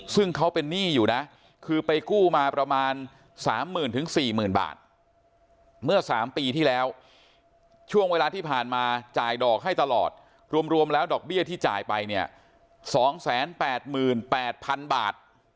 ซึ่งเขาเป็นหนี้อยู่นะคือไปกู้มาประมาณ๓๐๐๐๔๐๐๐บาทเมื่อ๓ปีที่แล้วช่วงเวลาที่ผ่านมาจ่ายดอกให้ตลอดรวมแล้วดอกเบี้ยที่จ่ายไปเนี่ย๒๘๘๐๐๐บาท